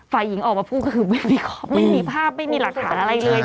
ฝ่ายหญิงออกมาพูดก็คือไม่มีภาพไม่มีหลักฐานอะไรเลย